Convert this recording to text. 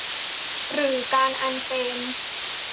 หรือการอันเฟรนด์